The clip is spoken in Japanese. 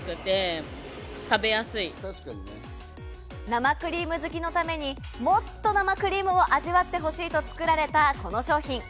生クリーム好きのためにもっと生クリームを味わってほしいと作られたこの商品。